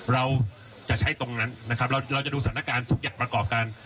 เราจะใช้ตรงนั้นนะครับเราจะดูสถานการณ์ทุกอย่างประกอบกัน